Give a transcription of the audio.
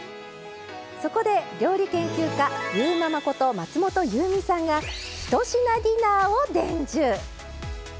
そこで料理研究家ゆーママこと松本ゆうみさんが１品ディナーを伝授。